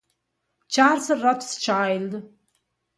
Charles Rothschild.